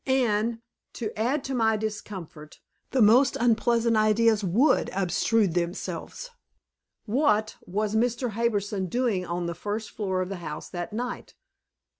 And, to add to my discomfort, the most unpleasant ideas WOULD obtrude themselves. WHAT was Mr. Harbison doing on the first floor of the house that night?